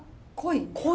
濃い？